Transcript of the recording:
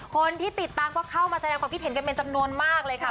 คนที่ติดตามก็เข้ามาแสดงความคิดเห็นกันเป็นจำนวนมากเลยค่ะ